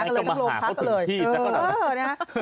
ก็มาหาเขาถึงที่แล้วก็แล้ว